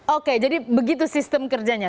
oke jadi begitu sistem kerjanya